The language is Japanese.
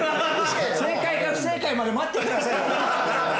正解か不正解まで待ってくださいよ。